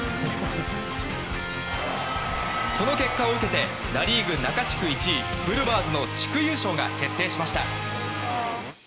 この結果を受けてナ・リーグ中地区１位ブルワーズの地区優勝が決定しました。